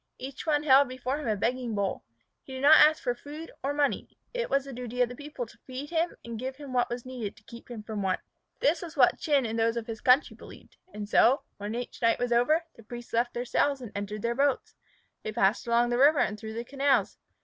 Each one held before him a begging bowl. He did not ask for food or money. It was the duty of the people to feed him and give what was needed to keep him from want. This was what Chin and those of his country believed. And so, when each night was over, the priests left their cells and entered their boats. They passed along the river and through the canals.